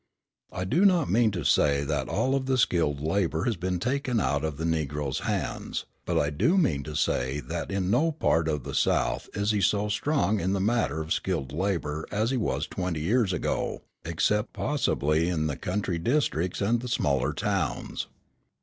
I do not mean to say that all of the skilled labour has been taken out of the Negro's hands; but I do mean to say that in no part of the South is he so strong in the matter of skilled labour as he was twenty years ago, except possibly in the country districts and the smaller towns.